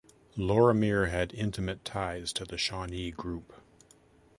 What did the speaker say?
Lorimier had intimate ties to the Shawnee group.